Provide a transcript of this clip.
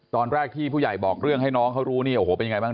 ตอนแรกที่ผู้ใหญ่บอกเรื่องให้น้องเขารู้เนี่ยโอ้โหเป็นยังไงบ้าง